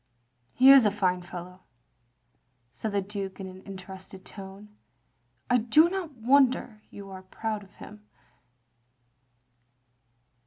" He is a fine fellow, " said the Duke in interested tones. " I do not wonder you are proud of him.